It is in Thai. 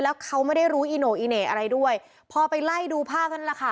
แล้วเขาไม่ได้รู้อีโน่อีเหน่อะไรด้วยพอไปไล่ดูภาพนั่นแหละค่ะ